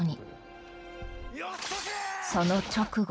その直後。